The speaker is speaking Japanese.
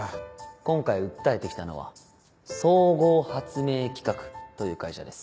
今回訴えてきたのは「総合発明企画」という会社です。